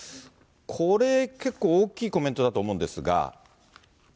これ、結構大きいコメントだと思うんですが。